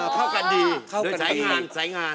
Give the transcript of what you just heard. เข้ากันดีเข้าสายงานสายงาน